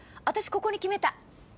私ここに決めた。